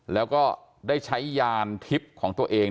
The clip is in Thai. แล้วก็ได้ใช้ยานทิพย์ของตัวเอง